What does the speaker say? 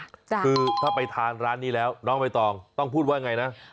คือถ้าไปทานร้านนี้แล้วน้องใบตองต้องพูดว่าไงนะ